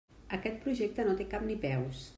Aquest projecte no té ni cap ni peus.